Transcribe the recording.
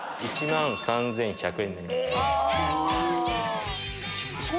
１万３０００円です。